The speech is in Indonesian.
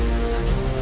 dia mana turns